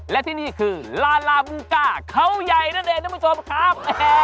และที่นี่คือลาลาบูก้าเขาใหญ่นั่นเองท่านผู้ชมครับ